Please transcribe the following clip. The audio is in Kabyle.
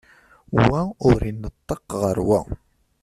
Wa ur ineṭṭeq ɣer wa.